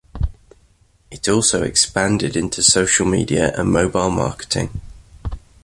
It also expanded into social media and mobile marketing.